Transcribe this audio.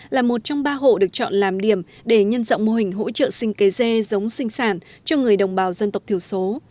là một trong ba hộ được chọn làm điểm để nhân rộng mô hình hỗ trợ sinh kế dê giống sinh sản cho người đồng bào dân tộc thiểu số